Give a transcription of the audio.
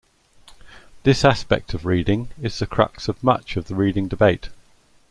This aspect of reading is the crux of much of the reading debate.